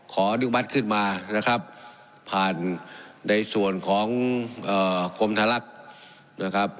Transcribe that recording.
อนุมัติขึ้นมานะครับผ่านในส่วนของกรมธลักษณ์นะครับ